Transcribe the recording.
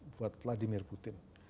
buat vladimir putin